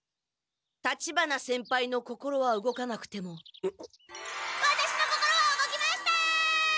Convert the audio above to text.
立花先輩の心は動かなくてもワタシの心は動きました！